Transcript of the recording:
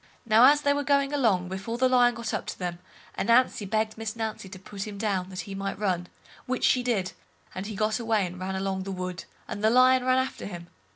Now as they were going along, before the Lion got up to them, Ananzi begged Miss Nancy to put him down, that he might run, which she did, and he got away and ran along the wood, and the Lion ran after him.